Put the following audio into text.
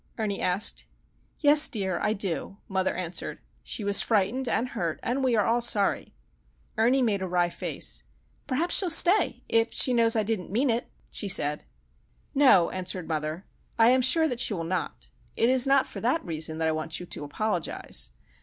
Ernie asked. "Yes, dear; I do," mother answered. "She was frightened and hurt and we are all sorry." Ernie made a wry face. "Perhaps she'll stay, if she knows I did not mean it," she said. "No," answered mother. "I am sure that she will not. It is not for that reason that I want you to apologise.